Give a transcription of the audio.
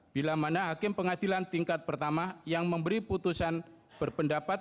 bila mana hakim pengadilan tingkat pertama yang memberi putusan berpendapat